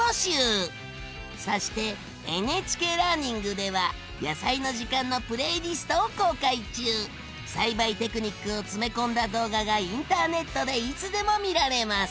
そしてＮＨＫラーニングでは「やさいの時間」のプレイリストを公開中！栽培テクニックを詰め込んだ動画がインターネットでいつでも見られます！